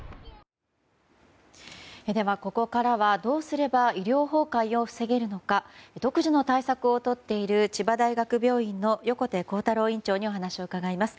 では、ここからはどうすれば医療崩壊を防げるのか独自の対策を取っている千葉大学病院の横手幸太郎院長にお話を伺います。